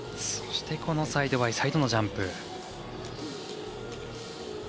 そしてサイドバイサイドのジャンプ。